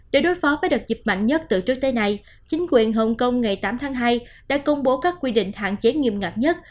để đối phó với đợt dịch mạnh nhất từ trước tới nay chính quyền hồng kông ngày tám tháng hai đã công bố các quy định hạn chế nghiêm ngặt nhất